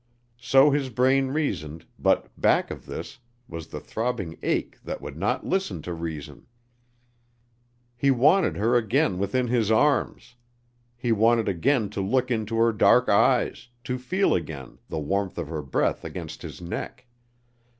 So his brain reasoned, but back of this was the throbbing ache that would not listen to reason. He wanted her again within his arms; he wanted again to look into her dark eyes, to feel again the warmth of her breath against his neck.